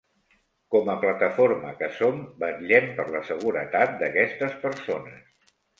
Com a plataforma que som, vetllem per la seguretat d'aquestes persones.